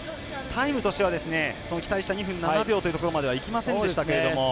タイムとしては期待した２分７秒というところまでいきませんでしたが。